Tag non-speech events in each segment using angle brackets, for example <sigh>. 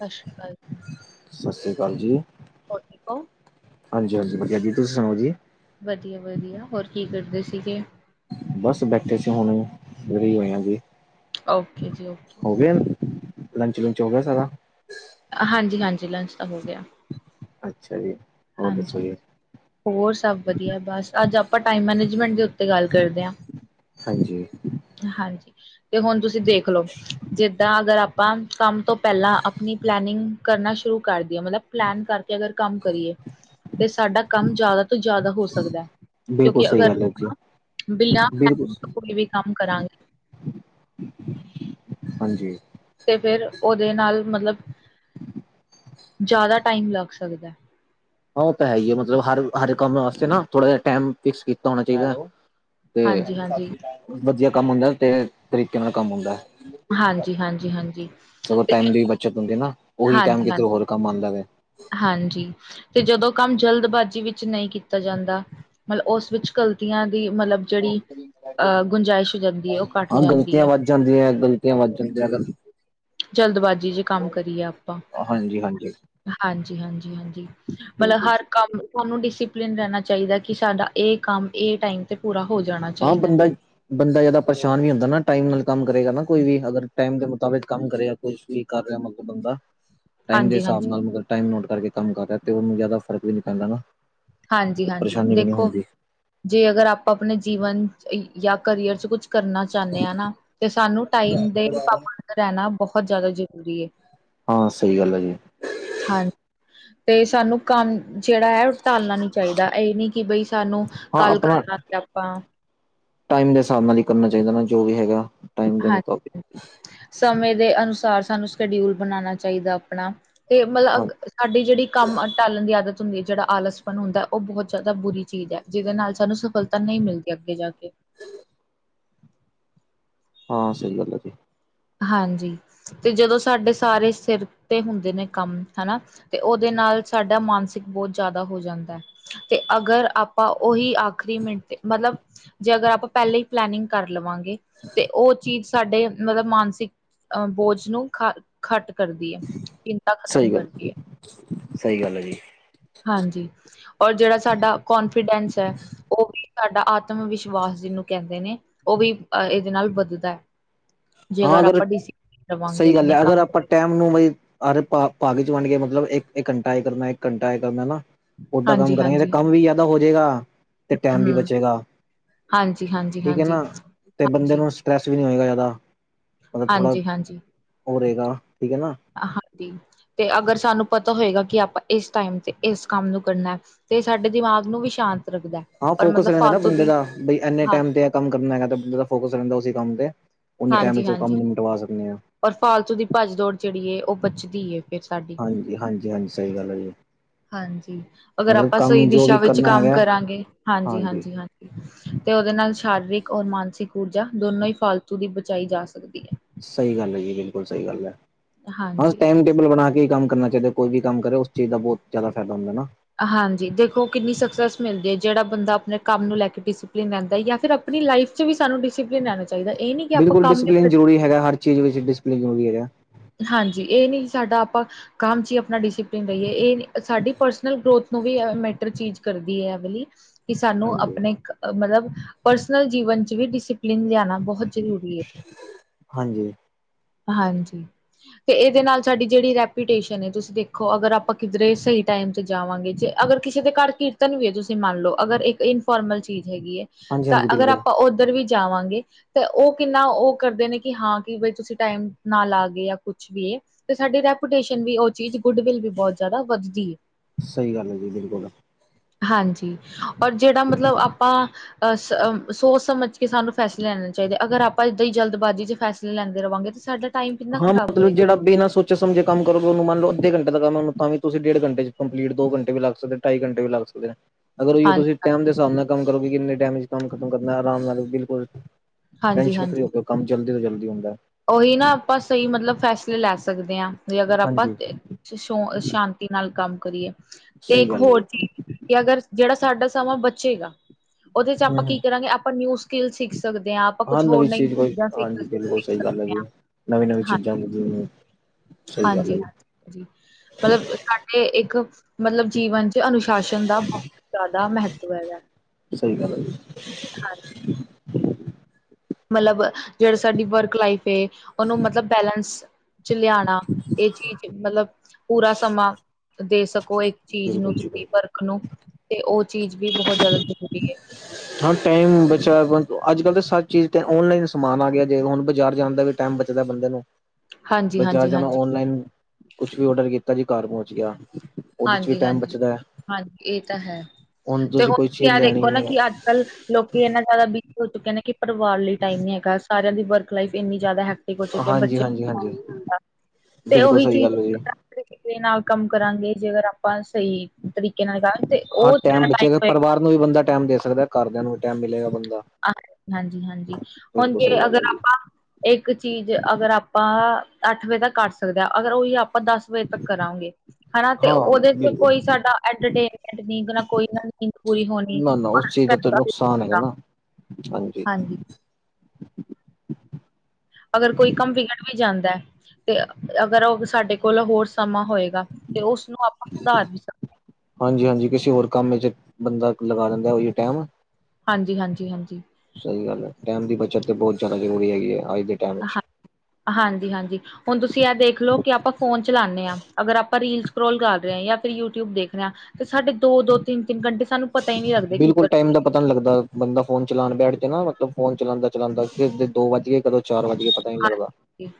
ਸਤਿ ਸ਼੍ਰੀ ਅਕਾਲ। ਸਤਿ ਸ੍ਰੀ ਅਕਾਲ ਜੀ। ਹੋਰ, ਠੀਕ ਓਂ? <unintelligible> ਹਾਂਜੀ, ਹਾਂਜੀ ਵਧਿਆ ਜੀ। ਤੁਸੀਂ, ਸੁਣਾਓ ਜੀ? ਵਧੀਆ- ਵਧੀਆ ਹੋਰ, ਕੀ ਕਰਦੇ ਸੀਗੇ? ਬਸ ਬੈਠੇ ਸੀ, ਹੁਣੇ ਫ੍ਰੀ, ਹੋਇਆ ਜੀ, ਓਕੇ ਜੀ ਓਕੇ। ਹੋ ਗਿਆ ਗ <unintelligible> ਲੰਚ- ਲੁੰਚ ਹੋ ਗਿਆ, ਸਾਰਾ। ਹਾਂਜੀ-ਹਾਂਜੀ, ਲੰਚ ਤਾ ਹੋ ਗਿਆ। ਅੱਛਾ ਜੀ। ਹੋਰ ਦੱਸੋ ਹਾਂਜੀ, ਜੀ ਹੋਰ ਸਭ ਵਧੀਆ, ਬਸ ਅੱਜ ਆਪਾਂ ਟਾਈਮ ਮੈਨੇਜਮੈਂਟ ਦੇ ਉੱਤੇ ਗੱਲ ਕਰਦੇ ਆ। ਹਾਂਜੀ। ਹਾਂਜੀ, ਤੇ ਹੁਣ ਤੁਸੀਂ ਦੇਖਲੋ, ਜਿੱਦਾਂ ਅਗਰ ਆਪਾਂ ਕੰਮ ਤੋਂ ਪਹਿਲਾਂ, ਆਪਣੀ ਪਲੈਨਿੰਗ ਕਰਨਾ ਸ਼ੁਰੂ ਕਰਦੀ ਆ, ਮਤਲਬ ਪਲੈਨ ਕਰਕੇ ਅਗਰ ਕੰਮ ਕਰੀਏ ਤੇ, ਸਾਡਾ ਕੰਮ ਜਿਆਦਾ ਤੋਂ ਜ਼ਿਆਦਾ ਹੋ ਸਕਦੇ, ਬਿਲਕੁਲ ਕਿਉਂਕਿ ਸਹੀ ਅਗਰ, ਗੱਲ ਹੈ ਜੀ ਬਿੱਲਾਂ ਖ ਬਿਲਕੁਲ ਕੋਈ ਵੀ ਕੰਮ ਕਰਾਂਗੇ। ਹਾਂਜੀ। ਤੇ, ਫਿਰ ਉਹਦੇ ਨਾਲ ਮਤਲਬ, ਜ਼ਾਦਾ ਟਾਈਮ ਲੱਗ ਸਕਦੇ। ਉਹ ਤਾਂ, ਹੈ ਹੀ ਏ, ਮਤਲਬ ਹਰ- ਹਰ ਕੰਮ ਵਾਸਤੇ ਨਾ, ਥੋੜਾ ਜਾ ਟਾਈਮ ਫਿਕਸ ਕੀਤਾ ਹੋਣਾ ਚਾਹੀਦਾ। ਤੇ, ਹਾਂਜੀ ਹਾਂਜੀ ਵਧੀਆ ਕੰਮ ਹੁੰਦਾ ਤੇ, ਤਰੀਕੇ ਨਾਲ ਕੰਮ ਹੁੰਦਾ। ਹਾਂਜੀ-ਹਾਂਜੀ-ਹਾਂਜੀ। ਸਗੋਂ ਟਾਈਮ ਦੀ ਬੱਚਤ ਹੁੰਦੀ ਨਾ, ਉਹੀ ਟਾਈਮ ਕਿਤੇ ਹਾਂਜੀ ਹੋਰ ਕੰਮ ਆਂਦਾ ਵੇ। ਹਾਂਜੀ। ਤੇ, ਜਦੋਂ ਕੰਮ ਜਲਦਬਾਜ਼ੀ ਵਿੱਚ ਨਈ ਕੀਤਾ ਜਾਂਦਾ, ਮਤਲਬ ਉਸ ਵਿੱਚ ਗ਼ਲਤੀਆਂ ਦੀ, ਮਤਲਬ ਜਿਹੜੀ ਅ ਗੁੰਜਾਇਸ਼ ਹੋ ਜਾਂਦੀ ਏ, ਉਹ ਘੱਟ ਜਾਂਦੀ ਏ। ਵੱ ਜਾਂਦੀਆਂ ਹੈ, ਗਲਤੀਆਂ ਵੱਧ ਜਾਂਦੀਆਂ ਅਗਰ ਜਲਦਬਾਜ਼ੀ 'ਚ ਕੰਮ ਕਰੀਏ ਆਪਾ ਹਾਂਜੀ-ਹਾਂਜੀ। ਹਾਂਜੀ-ਹਾਂਜੀ-ਹਾਂਜੀ, ਮਤਲਬ, ਹਰ ਕੰਮ ਤੁਹਾਨੂੰ, ਡਿਸੀਪਲੀਨ ਰਹਿਣਾ ਚਾਹੀਦਾ ਕਿ, ਸਾਡਾ ਇਹ ਕੰਮ ਇਹ ਟਾਈਮ ਤੇ ਪੂਰਾ ਹੋ ਜਾਣਾ ਹਾਂ ਚਾਹੀਦਾ। ਬੰਦਾ ਬੰਦਾ ਜ਼ਿਆਦਾ ਪਰੇਸ਼ਾਨ ਨਹੀ ਹੁੰਦਾ ਨਾ, ਟਾਈਮ ਨਾਲ ਕੰਮ ਕਰੇਗਾ ਨਾ ਕੋਈ ਵੀ, ਅਗਰ ਟਾਈਮ ਦੇ ਮੁਤਾਬਿਕ ਕੰਮ ਕਰੇਗਾ ਕੁਛ ਵੀ ਕਰ ਰਿਹਾ, ਮਤਲਬ ਬੰਦਾ। <unintelligible> ਟਾਈਮ ਦੇ ਹਿਸਾਬ ਹਾਂਜੀ ਨਾਲ ਮਤਲਬ, ਟਾਈਮ ਨੋਟ ਕਰਕੇ ਕੰਮ ਕਰ ਰਿਹਾ ਤੇ, ਉਹਨੂੰ ਜਿਆਦਾ ਫਰਕ ਵੀ ਨ ਪੈਂਦਾ ਨਾ। ਹਾਂਜੀ-ਹਾਂਜੀ, ਪਰੇਸ਼ਾਨੀ ਵੀ ਨਹੀਂ ਦੇਖੋ, ਹੁੰਦੀ ਜੇ ਅਗਰ ਆਪਾਂ ਆਪਣੇ ਜੀਵਨ ਯਾ ਕਰੀਅਰ'ਚ ਕੁਛ ਕਰਨਾ ਚਾਹਨੇ ਹਾਂ ਨਾ, ਤੇ ਸਾਨੂੰ ਟਾਈਮ ਦੇ ਪਾਬੰਦ ਰਹਿਣਾ ਬਹੁਤ ਜ਼ਿਆਦਾ ਜ਼ਰੂਰੀ ਏ। ਹਾਂ, ਸਹੀ ਗੱਲ ਆ ਜੀ। ਹਾਂ, ਤੇ ਸਾਨੂੰ ਕੰਮ ਜਿਹੜਾ ਹੈ ਟਾਲਣਾ ਨੀ ਚਾਹੀਦਾ। ਇਹ ਨੀ ਕਿ ਬਈ, ਸਾਨੂੰ ਹਾਂ ਕੱਲ ਆਪਣਾ ਕਰਨਾ ਸੀ ਆਪਾਂ ਟਾਈਮ ਦੇ ਹਿਸਾਬ ਨਾਲ ਹੀ ਕਰਨਾ ਚਾਹੀਦਾ ਨਾ, ਜੋ ਵੀ ਹੈਗਾ। ਟਾਈਮ ਦੇ ਹਾਂਜੀ ਮੁਤਾਬਿਕ ਹਾਂ ਸਮੇਂ ਦੇ ਅਨੁਸਾਰ, ਸਾਨੂੰ ਸ਼ਡਿਊਲ ਬਣਾਉਣਾ ਚਾਹੀਦਾ ਆਪਣਾ ਤੇ ਹਾਂ ਮਤਲਬ ਸਾਡੀ ਜਿਹੜੀ ਕੰਮ ਟਾਲਣ ਦੀ ਆਦਤ, ਜਿਹੜਾ ਆਲਸਪਣ ਹੁੰਦਾ ਔ, ਬਹੁਤ ਜਾਦਾ ਬੁਰੀ ਚੀਜ਼ ਏ, ਜਿਹਦੇ ਨਾਲ ਸਾਨੂੰ ਸਫਲਤਾ ਨਹੀਂ ਮਿਲਦੀ ਅੱਗੇ ਜਾ ਕੇ ਹਾਂ ਸਹੀ ਗੱਲ ਹੈ ਜੀ ਹਾਂਜੀ, ਤੇ ਜਦੋਂ ਸਾਡੇ ਸਾਰੇ ਸਿਰ ਤੇ ਹੁੰਦੇ ਨੇ ਕੰਮ ਹਨਾ ਤੇ ਉਹਦੇ ਨਾਲ ਸਾਡਾ ਮਾਨਸਿਕ ਬਹੁਤ ਜ਼ਾਂਦਾ ਹੋ ਜ਼ਾਦਾ ਹੈ, ਤੇ ਅਗਰ ਆਪਾਂ ਉਹੀ ਆਖਰੀ ਮਿੰਟ ਤੇ ਮਤਲਬ, ਜੇ ਅਗਰ ਆਪਾਂ ਪਹਲੇ ਈ ਪਲੇਨਿੰਗ ਕਰ ਲਵਾਂਗੇ ਤੇ ਉਹ ਚੀਜ਼ ਸਾਡੇ ਮਤਲਬ ਮਾਨਸਿਕ ਅਹ ਬੋਝ <unintelligible> ਨੂੰ ਖ ਖੱਟ ਕਰਦੀ ਹੈ, ਚਿੰਤਾ ਖਤਮ ਸਹੀ ਗੱਲ ਕਰਦੀ ਹੈ ਸਹੀ ਗੱਲ ਹੈ ਜੀ ਹਾਂਜੀ। ਔਰ ਜਿਹੜਾ ਸਾਡਾ ਕਨਫੀਡੈਂਸ ਹੈ। ਉਹ ਵੀ ਸਾਡਾ ਆਤਮ ਵਿਸ਼ਵਾਸ ਜਿਹਨੂੰ ਕਹਿੰਦੇ ਨੇ ਉਹ ਵੀ ਅਹ ਇਹਦੇ ਨਾਲ ਵੱਧਦਾ ਹੈ। ਜੇ ਹਾਂ ਅਗਰ ਆਪਾਂ ਡਿਸਿਪਲਿਨ ਰਵਾਂਗੇ ਸਹੀ ਗੱਲ ਆਪਣੇ ਹੈ, ਅਗਰ ਕੰਮ ਆਪਾਂ ਦੇ ਟਾਈਮ। ਨੂੰ ਬਈ ਆਦਤ ਪਾ, ਪਾ ਕੇ ਵੰਡ ਕੇ ਮਤਲਬ ਇੱਕ ਘੰਟਾ ਇਹ ਕਰਨਾ ਇੱਕ ਘੰਟਾ ਇਹ ਕਰਨਾ ਨਾ। ਓਦਾਂ ਕੰਮ ਹਾਂਜੀ, ਕਰਾਂਗੇ, ਤੇ ਹਾਂਜੀ, ਕੰਮ ਵੀ ਜ਼ਿਆਦਾ ਹੋ ਜਾਏਗਾ ਤੇ ਹੂੰ, ਟਾਈਮ ਵੀ ਹੂੰ। ਬਚੇਗਾ। ਹਾਂਜੀ, ਹਾਂਜੀ, ਠੀਕ ਹੈ ਹਾਂਜੀ, ਨਾ ਤੇ ਬੰਦੇ ਹਾਂਜੀ। ਹਾਂਜੀ, ਨੂੰ ਸਟਰੈਸ ਵੀ ਨਹੀਂ ਹੋਏਗਾ, ਜ਼ਿਆਦਾ ਮਤਲਬ ਥੋੜ੍ਹਾ ਹਾਂਜੀ, ਉਹ ਰਹੇਗਾ ਠੀਕ ਹੈ ਨਾ। ਹਾਂਜੀ ਤੇ ਅਗਰ ਸਾਨੂੰ ਪਤਾ ਹੋਏਗਾ, ਕਿ ਆਪਾਂ ਇਸ ਟਾਈਮ ਤੇ ਇਸ ਕੰਮ ਨੂੰ ਕਰਨਾ। ਤੇ ਸਾਡੇ ਦਿਮਾਗ ਨੂੰ ਵੀ ਸ਼ਾਂਤ ਰੱਖਦਾ। ਹਾਂ ਔਰ ਫੋਕਸ ਮਤਲਬ ਰਹਿੰਦਾ ਨਾ ਫਾਲਤੂ ਬੰਦੇ ਦੀ ਦਾ ਬਈ ਇੰਨੇ ਹਾਂ ਟਾਈਮ ਤੇ ਇਹ ਕੰਮ ਕਰਨਾ ਹੈਗਾ, ਬੰਦੇ ਦਾ ਫੋਕਸ ਰਹਿੰਦਾ ਉਸ ਕੰਮ ਤੇ। ਉੇ ਟਾਈਮ ਹਾਂਜੀ, ਚ ਉਹ ਕੰਮ ਹਾਂਜੀ। ਨਾ ਮਿਟਵਾ ਸਕਦੇ ਆ। ਔਰ ਫਾਲਤੂ ਦੀ ਭੱਜ ਦੌੜ ਜਿਹੜੀ ਹੈ, ਉਹ ਬਚਦੀ ਏ। ਫਿਰ ਸਾਡੀ ਹਾਂਜੀ, ਹਾਂਜੀ, ਹਾਂਜੀ, ਸਹੀ ਗੱਲ ਹੈ ਜੀ। ਹਾਂਜੀ, ਅਗਰ ਮਤਲਬ ਆਪਾਂ ਸਹੀ ਕੰਮ ਜੋ ਦਿਸ਼ਾ ਵੀ ਵਿੱਚ ਕਰਨਾ ਕੰਮ ਹੈਗਾ ਕਰਾਂਗੇ ਹਾਂਜੀ, ਹਾਂਜੀ, ਹਾਂਜੀ। ਤੇ ਉਹਦੇ ਨਾਲ ਸ਼ਾਰੀਰਿਕ ਔਰ ਮਾਨਸਿਕ ਊਰਜਾ ਦੋਨੋ ਹੀ ਫਾਲਤੂ ਦੀ ਬਚਾਈ ਜਾ ਸਕਦੀ ਹੈ। ਸਹੀ ਗੱਲ ਹੈ, ਜੀ ਬਿਲਕੁਲ ਸਹੀ ਗੱਲ ਹੈ, ਹਾਂ ਹਾਂਜੀ। ਟਾਈਮ ਟੇਬਲ ਬਣਾ ਕੇ ਕੰਮ ਕਰਨਾ ਚਾਹੀਦਾ। ਕੋਈ ਵੀ ਕੰਮ ਕਰੇ, ਉਸ ਚੀਜ਼ ਦਾ ਬਹੁਤ ਜ਼ਿਆਦਾ ਫਾਇਦਾ ਹੁੰਦਾ ਨਾ। ਹਾਂਜੀ, ਦੇਖੋ ਕਿੰਨੀ ਸਕਸੈਸ ਮਿਲਦੀ ਹੈ, ਜਿਹੜਾ ਬੰਦਾ ਆਪਣੇ ਕੰਮ ਨੂੰ ਲੈ ਕੇ ਡਿਸਪਲਿਨ ਰਹਿੰਦਾ ਜਾਂ ਫਿਰ ਆਪ ਲਾਈਫ ਵੀ ਸਾਨੂੰ ਡਿਸਪਲਿਨ ਲੇਣਾ ਚਹੀ ਚਾਹੀਦਾ, ਇਹ ਨਹੀਂ ਬਿਲਕੁਲ ਡਿਸਿਪਲਿਨ ਜ਼ਰੂਰੀ ਹੈਗਾ, ਹਰ ਚੀਜ਼ ਡਿਸਪਲਨ ਜ਼ਰੂਰੀ ਹੈਗਾ। ਹਾਂਜੀ, ਇਹ ਨਹੀਂ ਸਾਡਾ ਆਪਾਂ ਕੰਮ 'ਚ ਹੀ ਆਪਣਾ ਡਿਸਪਲਿਨ ਰਹੀਏ ਇਹ ਨਹੀਂ। ਸਾਡੀ ਪਰਸਨਲ ਗਰੋਥ ਨੂੰ ਵੀ ਮੈਟਰ ਚੀਜ਼ ਕਰਦੀ ਹੈ, ਐ ਵਾਲੀ ਕਿ ਸਾਨੂੰ ਹਾਂਜੀ। ਆਪਣੇ ਮਤਲਬ ਪਰਸਨਲ ਜੀਵਨ ਚ ਵੀ ਡਿਸਿਪਲਿਨ ਲਿਆਉਣਾ ਬਹੁਤ ਜਰੂਰੀ। ਹਾਂਜੀ, ਹਾਂਜੀ, ਤੇ ਇਹਦੇ ਨਾਲ ਸਾਡੀ ਜਿਹੜੀ ਰੈਪੂਟੇਸ਼ਨ ਹੈ, ਤੁਸੀਂ ਦੇਖੋ ਅਗਰ ਆਪਾਂ ਕਿੱਧਰੇ ਸਹੀ ਟਾਈਮ। ਜਾਵਾਂਗੇ ਜੇ ਅਗਰ ਕਿਸੇ ਦੇ ਘਰ ਕੀਰਤਨ ਵੀ ਹੈ, ਤੁਸੀਂ ਮੰਨ ਲਓ ਅਗਰ ਇੱਕ ਇਨਫੋਰਮਲ ਚੀਜ਼ ਹੈਗੀ। ਤਾਂ ਹਾਂਜੀ-ਹਾਂਜੀ ਅਗਰ ਬਿਲਕੁਲ ਆਪਾਂ ਉੱਧਰ ਵੀ ਜਾਵਾਂਗੇ, ਤਾਂ ਉਹ ਕਿੰਨਾ ਉਹ ਕਰਦੇ ਨੇ ਕਿ ਹਾਂ ਕਿ ਬਈ ਤੁਸੀਂ ਟਾਈਮ ਨਾਲ ਆ ਗਏ, ਜਾਂ ਕੁਛ ਵੀਏ ਤੇ ਸਾਡੀ ਰੈਪੂਟੇਸ਼ਨ ਵੀ ਉਹ ਚੀਜ਼ ਗੁਡਵਿਲ ਵੀ ਬਹੁਤ ਜ਼ਿਆਦਾ ਵੱਧਦੀ ਹੈ। ਸਹੀ ਗੱਲ ਹੈ ਜੀ ਬਿਲਕੁਲ ਹਾਂਜੀ, ਔਰ ਜਿਹੜਾ ਮਤਲਬ ਆਪਾਂ ਅ ਸੋਚ ਸਮਝ ਕਿ ਸਾਨੂੰ ਫੈਸਲੇ ਲੈਣੇ ਚਾਹੀਦੇ ਅਗਰਾਂ ਇਦਾਂ ਹੀ ਜਲਦਬਜੀ 'ਚ ਫੈਸਲੇ ਲੈਂਦੇ ਰਹਾਂਗੇ ਤਾਂ ਸਾਡਾ ਟਾਈਮ ਕਿੰਨਾ ਹਾਂ ਖ਼ਰਾਬ ਮਤਲਬ ਹੋਏਗਾ ਜਿਹੜਾ ਬਿਨਾਂ ਸੋਚ ਸਮਝੇ ਕੰਮ ਕਰੋ, ਉਹਨੂੰ ਮੰਨ ਲਓ ਅੱਧੇੰ ਘੰਟੇ ਦਾ ਕੰਮ ਉਹਨੂੰ ਤਾਂ ਵੀ ਤੁਸੀਂ ਡੇਢ ਘੰਟੇ ਚ ਕੰਪਲੀਟੋੰਟੇ ਵੀ ਲਗ ਸਕਦੇ ਢਾਈ ਘੰਟ ਵੀ ਲੱਗਦੇ ਨੇ। ਅਗਰ ਉਹੀਓ ਹਾਂਜੀ ਤੁਸੀਂ ਟੈਮ ਦੇ ਹਾਂਜੀ ਹਿਸਾਬ ਨਾਲ ਕੰਮ ਕਰੋਗੇ, ਕਿੰਨੇ ਟੈਮ ਕੰਮ ਖਤਮ ਕਰਨਾ ਆਰਾਮ ਨਾਲ ਬਿਲਕੁਲ ਹਾਂਜੀ ਟੈਸਟ ਹਾਂਜੀ। ਫਰੀ ਹੋਕੇ ਕੰਮ ਜਲਦੀ ਤੋਂ ਜਲਦੀ ਹੁੰਦਾ। ਉਹੀ ਨਾ ਆਪਾਂ ਸਹੀ ਮਤਲਬ ਫੈਸਲੇ ਲੈ ਸਕਦੇ ਹਾਂ, ਵੀ ਅਗਰ ਆਪਾਂ ਹਾਂਜੀ ਸ਼ਾਂਤੀ ਨਾਲ ਕੰਮ ਕਰੀਏ, ਤੇ ਸਹੀ ਇੱਕ ਗੱਲ ਹੋਰ ਹੈ ਚੀਜ਼ ਕਿ ਅਗਰ ਜਿਹੜਾ ਸਾਡਾ ਸਮਾਂ ਬਚੇਗਾ। ਉਹਦੇ ਚ ਆਪਾਂ ਹੂੰ-ਹੂੰ ਕੀ ਕਰਾਂਗੇ, ਆਪਾਂ ਨਿਊ ਸਕਿੱਲ ਸਿੱਖ ਸਕਦੇ ਹਾਂ, ਆਪਾਂ ਕੁਛ ਹੋਰ ਨਵੀਂ ਨਵੀ ਚੀਜ਼ ਕੋਈ ਚੀਜ਼ਾਂ ਸਿੱਖ ਹਾਂਜੀ ਸਕ ਬਿਲਕੁਲ ਸਹੀ ਗੱਲ ਹੈ, ਜੀ ਨਵੀਂ ਨਵੀਂ ਚੀਜ਼ਾਂ ਹੁੰਦੀਆਂ ਨੇ। ਸਹੀ ਗੱਲ ਹਾਂਜੀ ਹੈ ਜੀ ਹਾਂਜੀਾਂਜੀ ਮਤਲਬ ਸਾਡੇ ਇੱਕ ਮਤਲਬ ਜੀਵਨ ਚ ਅਨੁਸ਼ਾਸਨ ਦਾ ਬਹੁਤ ਜ਼ਿਆਦਾ ਮਹੱਤਵ ਹੈਗਾ ਸਹੀ ਗੱਲ ਆ ਜੀ ਹਾਂਜੀ ਮਤਲਬ ਜਿਹੜੀ ਸਾਡੀ ਵਰਕ ਲਾਈਫ ਉਹਨੂੰ ਮਤਲਬ ਬੈਲੇਂਸ ਚ ਲਿਆਣਾ ਇਹ ਚੀਜ਼ ਮਤਲਬ ਪੂਰਾ ਸਮਾਂ ਦੇ ਸਕੋ ਇੱਕ ਚੀਜ਼ ਨੂੰ ਬਿਲਕੁਲ ਜੀ ਤੁਸੀਂ ਬਿਲਕੁਲ ਵਰਖ ਨੂੰ ਤੇ ਉਹ ਚੀਜ਼ ਵੀ ਬਹੁਤ ਜ਼ਿਆਦਾ ਜ਼ਰੂਰੀ ਹੈ <unintelligible> ਹਾਂ ਟਾਈਮ ਬਚਾ ਅੱਜ ਕੱਲ੍ਹ ਤਾਂ ਸਾਰੇ ਚੀਜ਼ ਤਾਂ ਔਨਲਾਈਨ ਸਮਾਨ ਆ ਗਿਆ ਜੇ ਹੁਣ ਬਾਜ਼ਾਰ ਜਾਂਦਾ ਵਿੱਚ ਟਾਈਮ ਬਚਦਾ ਬੰਦੇ ਨੂੰ ਹਾਂਜੀ ਬਜ਼ਾਰ ਹਾਂਜੀ ਜਾਣਾ ਹਾਂਜੀ ਓਨਲਾਈਨ ਕੁਛ ਵੀ ਡਰ ਕੀਤਾ ਜੀ ਘਰ ਪਹੁੰਚ ਗਿਆ ਉਹਦੇ ਚ ਵੀ ਹਾਂਜੀ ਟਾਈਮ ਹਾਂਜੀ ਬਚਦਾ ਹੈ ਹਾਂਜੀ ਇਹ ਤਾਂ ਹੈ ਹੁਣ ਤੇ ਤੁਸੀਂ ਹੁਰ ਕੋਈ ਚੀਜ਼ ਕ ਲੈਣੀ ਦੇਖੋ ਨਾ ਹੈ ਕਿ ਅੱਜ ਕੱਲ ਲੋਕੀ ਇੰਨਾ ਜ਼ਿਆਦਾ ਬਿਜ਼ੀ ਹੋ ਚੁੱਕੇ ਨੇ ਕਿ ਪਰਿਵਾਰ ਲਈ ਟਾਈਮ ਨੀ ਹੈਗਾ ਸਾਰਿਆਂ ਦੀ ਵਰਕ ਲਾਈਫ ਇੰਨੀ ਜ਼ਿਆਦਾ ਹੈ ਕੁ ਚੁਿਆ ਹਾਂਜੀ ਬੱਚ ਹਾਂਜੀ ਹਾਂਜੀ ਤੇ ਬਿਲਕੁਲ ਉਹੀ ਸਹੀ ਚੀਜ਼ ਗੱਲ ਹੈ ਜੀ ਤਰੀਕੇ ਨਾਲ ਕੰਮ ਕਰਾਂਗੇ ਜੇਕਰ ਆਪਾਂ ਸਹੀ ਤਰੀਕੇ ਨਾਲ ਕਰਾਂ ਹਾਂ ਟੈਮ ਬਚੇਗਾ ਪਰਿਵਾਰ ਨੂੰ ਵੀ ਬੰਦਾ ਟਾਈਮ ਦੇ ਸਕਦਾ ਘਰਦਿਆਂ ਨੂੰ ਵੀ ਟਾਈਮ ਮਿਲੇਗਾ ਬੰਦਾ ਹਾਂਜੀ ਹਾਂਜੀ ਹੁਣ ਬਿਲਕੁਲ ਜੇ ਸਹੀ ਗੱਲ ਹੈ ਅਗਰ ਜੀ ਆਪਾਂ ਇੱਕ ਚੀਜ਼ ਅਗਰ ਆਪਾਂ ਅੱਠ ਵਜੇ ਤੱਕ ਕਰ ਸਕਦੇ ਹਾਂ ਅਗਰ ਉਹੀ ਆਪ ਆਪਾਂ ਦਸ ਵਜੇ ਤੱਕ ਕਰਾਂਗੇ ਹਨਾ ਤੇ ਹਾਂ ਉਹਦੇ ਚ ਬਿਲਕੁਲ ਕੋਈ ਸਾਡਾੇਮਟ ਕੋਈ ਨੀਂਦ ਪੂਰੀ ਹੋਣੀ ਨਾ ਉਸ ਚੀਜ਼ ਦਾ ਤੇ ਨੁਕਸਾਨ ਹੈਗਾ ਨਾ ਹਾਂਜੀ ਹਾਂਜੀ ਅਗਰ ਕੋਈ ਕੰਮ ਵਿਗੜ ਵੀ ਜਾਂਦਾ ਤੇ ਅਗਰ ਉਹ ਸਾਡੇ ਕੋਲ ਹੋਰ ਸਮਾਂ ਹੋਏਗਾ ਤੇ ਉਸਨੂੰ ਆਪਾਂ ਸੁਧਾਰ ਵੀ ਸਕ ਹਾਂਜੀ ਹਾਂਜੀ ਕਿਸੇ ਹੋਰ ਕੰਮ ਵਿੱਚ ਬੰਦਾ ਲਗਾ ਦਿੰਦਾ ਟਾਈਮ ਹਾਂਜੀ ਹਾਂਜੀ ਹਾਂਜੀ ਸਹੀ ਗੱਲ ਹੈ ਟਾਈਮ ਦੀ ਬੱਚਤ ਤੇ ਬਹੁਤ ਜ਼ਿਆਦਾ ਜ਼ਰੂਰੀ ਹੈਗੀ ਹੈ ਅੱਜ ਦੇ ਟਾਈਮ ਵਿੱਚ ਹਾਂਜੀ ਹਾਂਜੀ ਹੁਣ ਤੁਸੀਂ ਇਹ ਦੇਖ ਲਓ ਕਿ ਆਪਾਂ ਫੋਨ ਚਲਾਉਂਦੇ ਹਾਂ ਅਗਰ ਆਪਾਂ ਰੀਲ ਸਕੋਲ ਗਾ ਰਹੇ ਹਾਂ ਜਾਂ ਫਿਰ ਯੂਟਿਊਬ ਦੇਖ ਰਹੇ ਹਾਂ ਤੇ ਸਾਡੇ ਦੋ ਦੋ ਤਿੰਨ ਤਿੰਨ ਘੰਟੇ ਸਾਨੂੰ ਪਤਾ ਹੀ ਨੀ ਲੱਗਦੇ ਬਿਲਕੁਲ ਕਿੱਧਰ ਟਾਈਮ ਦਾ ਪਤਾ ਨੀ ਲੱਗਦਾ ਬੰਦਾ ਫੋਨ ਚਲਾਉਣ ਬੈਠ ਕੇ ਨਾ ਮਲ ਫੋਨ ਚਲਾਉਦਾ ਚਲਾਂਦਾ ਫ ਦੋ ਵੱਜ ਕੇ ਕ ਚਾਰ ਵਜ ਕੇ ਪਤਾ ਨੀ ਲੱਗਦਾ ਹਾਂਜੀ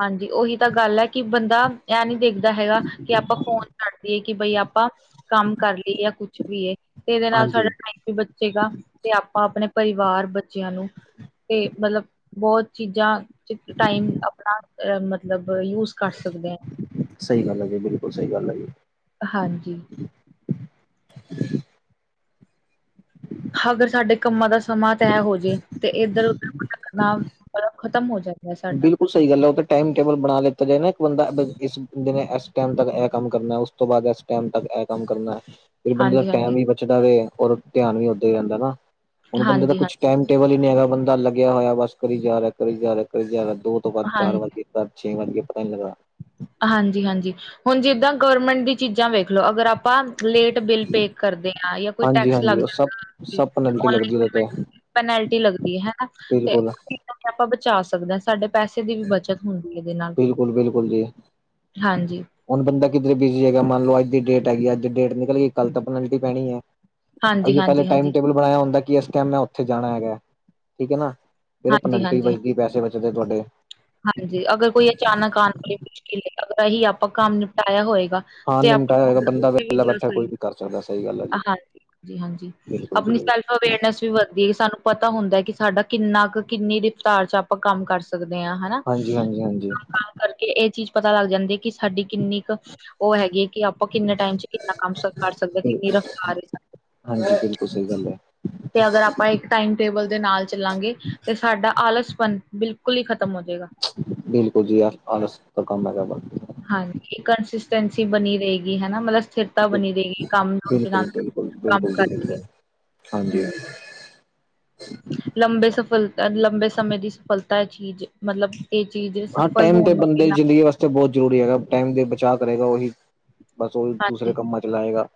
ਹਾਂਜੀ ਉਹੀ ਤਾਂ ਗੱਲ ਹੈ ਕਿ ਬੰਦਾ ਇਹਂ ਨੀ ਦੇਖਦਾ ਹੈਗਾ ਕਿ ਆਪਾਂ ਫੋਨ ਕਰੱਡਦੀਏ ਕਿ ਬਈ ਆਪਾਂ ਕੰਮ ਕਰ ਲਈਏ ਜਾਂ ਕੁੱਛ ਵੀ ਤੇ ਇਹਦੇ ਨਾਲ ਸਾਡਾ ਹਾਂਜੀ ਟਾਈਮ ਵੀ ਸੀਗਾ ਤੇ ਆਪਾਂ ਆਪਣੇ ਪਰਿਵਾਰ ਬੱਚਿਆਂ ਨੂੰ ਤੇ ਮਤਲਬ ਬਹੁਤ ਚੀਜ਼ਾਂ ਚ ਟਾਈਮ ਆਪਣਾ ਅ ਮਤਲਬ ਯੂਜ ਕਰ ਸਕਦੇ ਹ ਸਹੀ ਗੱਲ ਹੈ ਜੀ ਬਿਲਕੁਲ ਸਹੀ ਗੱਲ ਹੈ ਜੀ ਹਾਂਜੀ ਅਗਰ ਸਾਡੇ ਕੰਮਾਂ ਦਾ ਸਮਾਂ ਤੈਅ ਹੋ ਜੇ ਤੇ ਇੱਧਰ ਉਧਰਨਾ ਭਟਕਣਾ ਖਤਮ ਹੋ ਜਾਏ। ਬਿਲਕੁਲ। ਸਹੀ ਗੱਲ ਹੈ ਉ ਤਾ ਟਾਈਮ ਟੇਬਲ ਬਣਾ ਲਿੱਤਾ ਜਾਏ ਨਾ ਇੱਕ ਬੰਦਾ ਇਸ ਦਿਨ ਇਸ ਟਾਈਮ ਤੱਕ ਇਹ ਕੰਮ ਕਰਨਾ ਉਸ ਤੋਂ ਬਾਅਦ ਇਸ। ਟਾਈਮ ਤੱਕ ਇਹ ਕੰਮ ਕਰਨਾ ਹੈ। ਫਿਰ ਬੰਦੇ ਦਾ ਹਾਂਜੀ ਟਾਈਮ ਹਾਂਜੀ ਵੀ ਬਚਦਾਵੇ ਔਰ ਧਿਆਨ ਵੀ ਓਦਰ ਹੀ ਰਹਿੰਦਾ ਨਾ ਹੁਣ ਬੰਦੇ ਦਾ ਹਾਂਜੀ ਕੁਛ ਹਾਂਜੀ ਟਾਈਮ। ਟੇਬਲ ਹੀ ਨਹੀਂ ਹੈਗਾ ਬੰਦਾ ਲੱਗਿਆ ਹੋਇਆ ਬਸ ਕਰੀ ਜਾ ਰਿਹਾ, ਕਰੀ ਜਾ ਰਿਹਾ, ਕਰੀ ਜਾ ਰਿਹਾ ਦੋ ਤੋਂ ਬਾਅਦ ਚਾਰ ਵਜੇ। ਕਦ ਛੇ ਵਜ ਗਏ ਪਤਾ ਨੀ ਲੱਗਦਾ। ਹਾਂਜੀ-ਹਾਂਜੀ ਹੁਣ ਜਿਦਾਂ ਗਵਰਮੈਂਟ ਦੀ ਚੀਜ਼ਾਂ ਵੇਖ ਲੋ ਅਗਰ ਆਪਾਂ। ਲੇਟ ਬਿੱਲ ਪੇ ਕਰਦੇ ਹਾਂ ਜਾਂ ਕੋਈ ਹਾਂਜੀ ਟੈਕਸ ਲੱਗ ਹਾਂਜੀ ਉਹ ਸਭ ਜਾਂਦਾ। ਸਭ ਪੈਨਲਟੀ ਆਨਲਾਈਨ ਲੱਗਦੀ ਉਹਦੇ ਪੈਮੇਂਟ ਤੇ ਦੀ ਪੇਨਾਲਟੀ ਲਗਦੀ ਹੈ ਹੈਨਾ। ਬਿਲਕੁਲ। ਆਪਾਂ ਬਚਾ ਸਕਦੇ ਹਾਂ ਸਾਡੇ ਪੈਸੇ ਦੀ ਵੀ ਬੱਚਤ ਹੁੰਦੀ ਹੈ ਇਹਦੇ ਨਾਲ। ਬਿਲਕੁਲ ਬਿਲਕੁਲ ਜੀ ਹਾਂਜੀ ਹੁਣ ਬੰਦਾ ਕਿੱਧਰੇ ਬਿਜ਼ੀ ਹੈਗਾ ਮੰਨ ਲਓ ਅੱਜ ਦੀ ਡੇਟ ਹੈਗੀ ਅੱਜ ਡੇਟ ਨਿਕਲ ਗਈ ਕੱਲ ਤਾਂ ਪੈਨਲਟੀ ਪੈਣੀ ਹੈ ਹਾਂਜੀ ਅਸੀ ਪਹਿਲੇ ਹਾਂਜੀ ਟਾਈਮ ਹਾਂਜੀ ਟੇਬਲ ਬਣਾਇਆ ਹੁੰਦਾ ਕਿ ਇਸ ਟਾਈਮ ਮੈਂ ਉੱਥੇ ਜਾਣਾ ਹੈਗਾ ਠੀਕ ਹੈ ਨਾ ਹਾਂਜੀ ਪੈਨਲਟੀ ਹਾਂਜੀ ਹਾਂਜੀ ਬਚ ਦੀ ਪੈਸੇ ਬਚਦੇ ਤੁਹਾਡੇ ਹਾਂਜੀ, ਅਗਰ ਕੋਈ ਅਚਾਨਕ ਆਉਣ ਵਾਲੀ ਮੁਸ਼ਕਿਲ ਲੱਗਦਾ ਹੀ ਆਪਾਂ ਕੰਮ ਨਿਪਟਾਇਆ ਹੋਏਗਾ। <inaudible> ਹਾਂ ਨਿਮਟਾਇਆ ਹੋਏਗਾ ਬੰਦਾ ਵਿਹਲਾ ਬੈਠਾ ਕੋਈ ਵੀ ਕਰ ਸਕਦਾ ਸਹੀ ਗੱਲ ਹੈ ਜੀ ਬਿਲਕੁਲ ਜੀ ਬਿਲਕੁਲ ਅਵੇਅਰਨੈਸ ਵੀ ਵੱਧਦੀ ਹੈ ਸਾਨੂੰ ਪਤਾ ਹੁੰਦਾ ਹੈ ਕਿ ਸਾਡਾ ਕਿੰਨਾ। ਕਿੰਨੀ ਰਫਤਾਰ ਚ ਆਪਾਂ ਕੰਮ ਕਰ ਸਕਦੇ ਹਨਾ। ਹਾਂਜੀ ਹਾਂਜੀ ਹਾਂਜੀ ਕਰਕੇ ਇਹ ਚੀਜ਼ ਪਤਾ ਲੱਗ ਜਾਂਦੀ ਕਿ ਸਾਡੀ ਕਿੰਨੀ ਕੁ। ਉਹ ਹੈਗੀ ਕਿ ਆਪਾਂ ਕਿੰਨੇ ਟਾਈਮ ਚ ਕਿੰਨਾ ਕੰਮ ਕਰ ਸਕਦੇ ਹਾਂ ਕਿੰਨੀ ਰਫਤਾਰ। ਹਾਂਜੀ ਬਿਲਕੁਲ ਸਹੀ ਗੱਲ ਹੈ। ਤੇ ਅਗਰ ਆਪਾਂ ਇੱਕ ਟਾਈਮ ਟੇਬਲ ਦੇ ਨਾਲ ਚੱਲਾਂਗੇ। ਤੇ ਸਾਡਾ ਆਲਸਪਣ ਬਿਲਕੁਲ ਹੀ ਖ਼ਤਮ ਹੋ ਜਾਏਗਾ। ਬਿਲਕੁਲ ਜੀ ਆ ਆਲਸ ਦਾ ਕੰਮ ਹੈਗਾ ਵਾ। ਹਾਂਜੀ ਇਹ ਕੰਸਿਸਟੈਂਸੀ ਬਣੀ ਰਹੇਗੀ ਹਨਾ ਮਤਲਬ। ਸਥਿਰਤਾ ਬਣੀ ਦੇਗੀ ਕੰਮ ਦਾ ਨਾਲ ਬਿਲਕੁਲ ਬਿਲਕੁਲ ਕੰਮ ਬਿਲਕੁਲ ਜੀ ਕਰਕੇ। ਬਿਲਕੁਲ ਹਾਂਜੀ। ਹੂੰ ਲੰਬੇ ਸਫਲਤਾ ਲੰਬੇ ਸਮੇਂ ਦੀ ਸਫਲਤਾ ਹੈ ਚੀਜ਼ ਮਤਲਬ। ਤੇ ਚੀਜ਼ ਸਫਲ ਹੋਣ ਨੂੰ ਕਿੰਨਾ। ਤਾਂ ਬਹੁਤ ਜ਼ਰੂਰੀ ਹੈਗਾ ਟਾਈਮ ਦੇ ਬਚਾਅ ਕਰੇਗਾ ਉਹੀ। ਬਸ ਉਹ ਹੀ ਹਾਂਜੀ ਦੂਸਰੇ ਕੰਮਾ ਚਲਾਏਗਾ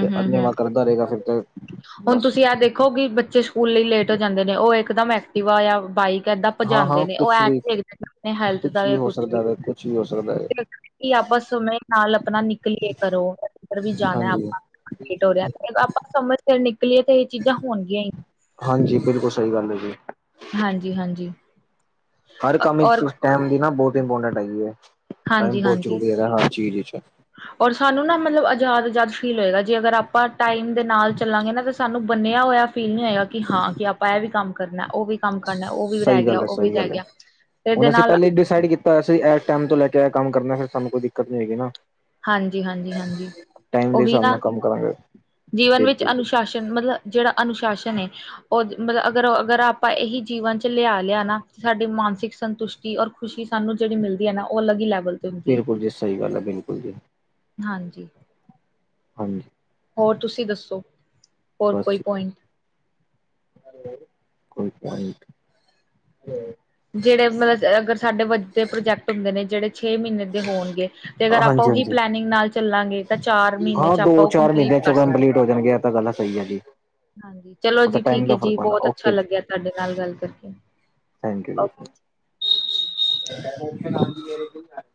ਤੇ ਅੰਨੇਵਾ ਕਰਦਾ ਰਹੇਗਾ ਫਿਰ ਤਾਂ। ਹੁਣ ਤੁਸੀਂ ਇਹ ਦੇਖੋ ਕਿ ਬੱਚੇ ਸਕੂਲ ਲਈ ਲੇਟ ਹੋ ਜਾਂਦੇ ਨੇ ਉਹ ਇਕਦਮ ਐਕਟਿਵਾ ਜਾ ਬਾਈਕ। ਕਿਦਾਂ ਹਾਂ ਭਜਾਦੇ ਹਾਂ ਨੇ ਉਹ ਕੁਛ ਐਂ ਵੀ ਨੀ ਦੇਖਦੇ ਆਪ ਹੈਲਥ ਦਾ ਹੋ ਕੁਛ ਵੀ। ਸਕਦਾ ਹੈ ਕੁਛ ਵੀ ਹੋ ਸਕਦਾ ਹੈ ਕਿ ਆਪਾਂ ਸਮੇਂ ਨਾਲ ਆਪਣਾ ਨਿਕਲੀਏ ਘਰੋਂ ਉੱਧਰ ਵੀ ਜਾਣਾ ਹਾਂਜੀ ਆਪਾਂ। ਲੇਟ ਹੋ ਰਿਹਾ ਤੇ ਆਪਾਂ ਸਮੇਂ ਸਿਰ ਨਿਕਲੀਏ ਤੇ ਇਹ ਚੀਜ਼ਾਂ ਹੋਣਗੀਆਂ ਹੀ। ਹਾਂਜੀ ਬਿਲਕੁਲ ਸਹੀ ਗੱਲ ਹੈ ਜੀ। ਹਾਂਜੀ-ਹਾਂਜੀ। ਹਰ ਕੰਮ ਵਿੱਚ ਔਰ ਟਾਈਮ ਦੀ ਨਾ ਬਹੁਤ ਇੰਪੋਰਟੈਂਟ ਹੈਗੀ ਹੈ ਟਾਈਮ ਬਹੁਤ ਹਾਂਜੀ-ਹਾਂਜੀ ਜ਼ਰੂਰੀ ਹੈ ਹਰ ਚੀਜ਼ ਵਿਚ। ਔਰ ਸਾਨੂੰ ਨਾ ਮਤਲਬ ਆਜ਼ਾਦ-ਆਜ਼ਾਦ ਫੀਲ ਹੋਏਗਾ ਜੇ ਅਗਰ ਆਪਾਂ ਟਾਈਮ ਦੇ ਨਾਲ ਚੱਲਾਂਗੇ ਨਾ ਤਾਂ ਸਾਨੂੰ ਬੰਨਿਆ ਹੋਇਆ। ਫੀਲ ਨਹੀਂ ਹੋਏਗਾ ਕਿ ਹਾਂ ਕਿ ਆਪਾਂ ਇਹ ਵੀ ਕੰਮ ਕਰਨਾ ਉਹ ਵੀ। ਕੰਮ ਕਰਨਾ ਉਹ ਵੀ ਰਹਿ ਸਹੀ ਗਿਆ, ਗੱਲ ਹੈ ਉਹ ਵੀ ਸਹੀ ਰਹਿ ਗੱਲ ਹੈ ਗਿਆ ਤੇ ਇਹਦੇ ਹੁਣ ਅਸੀਂ ਨਾਲ। ਪਹਿਲੇ ਡਿਸਾਈਡ ਕੀਤਾ। ਤਾਂ ਅਸੀ ਇਸ ਟਾਈਮ ਤੋਂ ਲੈ ਕੇ ਏ ਕੰਮ ਕਰਨਾ ਫਿਰ ਸਾਨੂੰ ਕੋਈ ਦਿੱਕਤ ਨਹੀਂ ਹੈਗੀ ਨਾ। ਹਾਂਜੀ-ਹਾਂਜੀ-ਹਾਂਜੀ ਟਾਈਮ ਦੇ ਉਹੀ ਹਿਸਾਬ ਨਾਲ ਨਾ ਕੰਮ ਕਰਾਂਗੇ ਜੀਵਨ ਵਿੱਚ ਬਿਲਕੁਲ ਜੀ ਅਨੁਸ਼ਾਸਨ ਮਤਲਬ। ਜਿਹੜਾ ਅਨੁਸ਼ਾਸਨ ਹੈ। ਉਹ ਮਤਲਬ ਅਗਰ ਅਗਰ ਆਪਾਂ ਇਹੀ ਜੀਵਨ ਚ ਲਿਆ ਲਿਆ ਨਾ ਸਾਡੀ ਮਾਨਸਿਕ ਸੰਤੁਸ਼ਟੀ ਔਰ ਖੁਸ਼ੀ ਸਾਨੂੰ ਜਿਹੜੀ ਮਿਲਦੀ ਹੈ ਨਾ ਉਹ ਅਲੱਗ ਲੈਵਲ ਤੇ ਹੁੰਦੀ ਹੈ ਬਿਲਕੁਲ ਜੀ ਸਹੀ ਗੱਲ ਹੈ ਬਿਲਕੁਲ ਜੀ। ਹਾਂਜੀ। ਹਾਂਜੀ ਹੋਰ ਤੁਸੀਂ ਦੱਸੋ ਹੋਰ ਬਸ ਕੋਈ ਜੀ ਪੁਆਇੰਟ <inaudible> ਜਿਹੜੇ ਮਤਲਬ ਅਗਰ ਸਾਡੇ ਵੱਡੇ ਪ੍ਰੋਜੈਕਟ ਹੁੰਦੇ ਨੇ ਜਿਹੜੇ ਛੇ ਮਹੀਨੇ ਦੇ ਹੋਣਗੇ ਤੇ ਅਗਰ ਆਪਾਂ ਹਾਂਜੀ ਉਹੀ ਹਾਂਜੀ ਪਲੈਨਿੰਗ ਨਾਲ ਚੱਲਾਂਗੇ ਤਾਂ ਚਾਰ ਮਹੀਨੇ ਹਾਂ ਚ ਦੋ ਆਪਾਂ ਉਹ ਚਾਰ ਕੰਪਲੀਟ ਮਹੀਨਿਆਂ ਕਰ ਚੋਂ ਸਕਦੇ ਹਾਂ। ਕੰਪਲੀਟ ਹੋ ਜਾਣਗੇ ਤਾਂ ਗੱਲ ਸਹੀ ਹੈ ਜੀ ਹਾਂਜੀ ਚਲੋ ਉਹ ਜੀ ਤਾਂ ਟਾਈਮ ਠੀਕ ਹੈ ਦਾ ਜੀ ਫ਼ਰਕ ਪੈਂਦਾ ਬਹੁਤ ਅੱਛਾ ਓਕੇ ਜੀ ਲੱਗਿਆ ਤੁਹਾਡੇ ਨਾਲ ਗੱਲ ਕਰਕੇ ਥੈਂਕ ਯੂ ਜੀ। ਓਕੇ <inaudible>